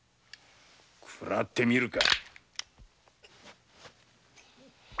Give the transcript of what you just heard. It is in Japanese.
食らってみるか。